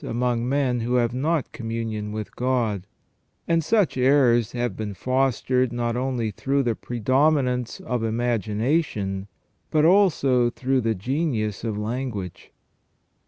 among men who have not communion with God; and such errors have been fostered not only through the predominance of imagination, but also through the genius of language.